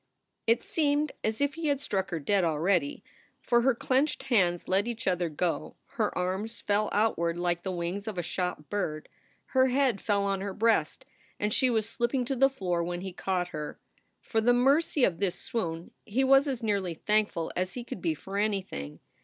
It seemed as if he had struck her dead already. For her clenched hands let each other go, her arms fell outward like the wings of a shot bird, her head fell on her breast, and she was slipping to the floor when he caught her. For the mercy of this swoon he was as nearly thankful as he could be for anything.